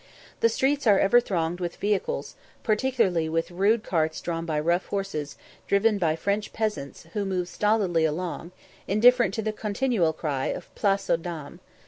The streets are ever thronged with vehicles, particularly with rude carts drawn by rough horses, driven by French peasants, who move stolidly along, indifferent to the continual cry "Place aux dames."